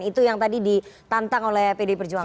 itu yang tadi ditantang oleh pd perjuangan